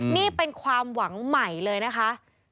นี่เป็นความหวังใหม่เลยนะคะ